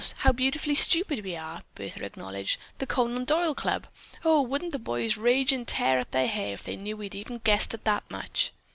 How beautifully stupid we are!" Bertha acknowledged. "The Conan Doyle Club! O, wouldn't the boys rage and tear their hair if they knew we had guessed even that much."